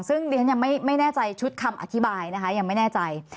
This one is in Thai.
ซึ่งดิฉันยังไม่แน่ใจชุดคำอธิบายนะคะยังไม่แน่ใจ